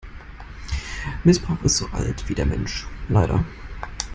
Missbrauch ist so alt wie der Mensch - leider.